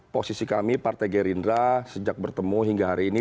posisi kami partai gerindra sejak bertemu hingga hari ini